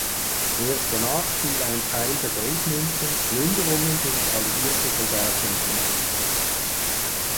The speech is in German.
Erst danach fiel ein Teil der Goldmünzen Plünderungen durch alliierte Soldaten zum Opfer.